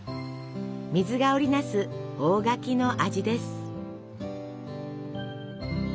水が織り成す大垣の味です。